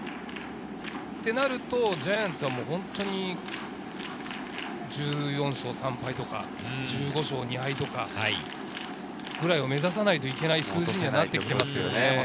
そうなるとジャイアンツは本当に１４勝３敗とか、１５勝２敗とか、そのくらいを目指さないといけない数字になってきていますね。